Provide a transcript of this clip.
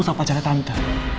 sama pacarnya tante